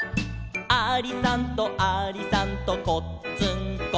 「ありさんとありさんとこっつんこ」